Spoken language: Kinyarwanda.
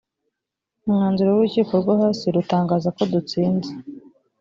umwanzuro w urukiko rwo hasi rutangaza ko dutsinze